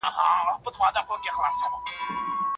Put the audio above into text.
پېړۍ وروسته په یو قام کي پیدا زوی د کوه طور سي